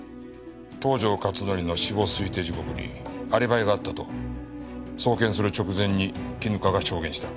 東条克典の死亡推定時刻にアリバイがあったと送検する直前に絹香が証言した。